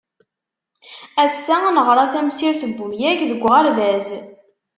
Ass-a neɣra tamsirt n umyag deg uɣerbaz.